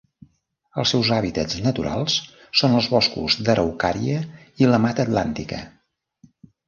Els seus hàbitats naturals són els boscos d'araucària i la Mata Atlàntica.